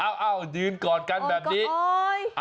อ้าวยืนกอดกันแบบนี้